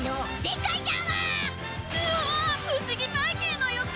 不思議体験の予感！